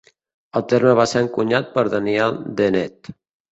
El terme va ser encunyat per Daniel Dennett.